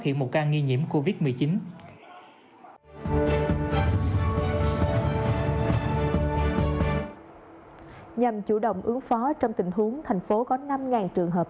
hiện một ca nghi nhiễm covid một mươi chín nhằm chủ động ứng phó trong tình huống thành phố có năm trường hợp